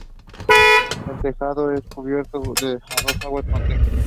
El tejado es cubierto a dos aguas con teja.